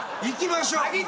行きましょう。